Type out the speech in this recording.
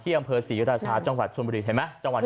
ที่อำเภอศรีราชาจังหวัดทุนบริเห็นไหมจังหวัดนี้